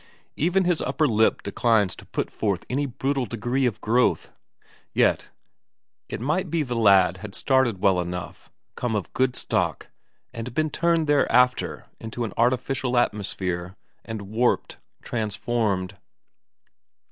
Even his upper lip declines to put forth any brutal degree of growth. Yet it might be the lad had started well enough, come of good stock, but been turned thereafter into an artificial atmosphere, and warped, transformed?